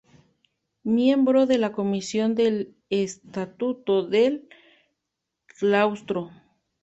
Miembro de la Comisión del Estatuto del Claustro.